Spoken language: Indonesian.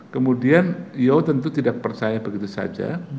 kemudian ya tentu tidak percaya begitu saja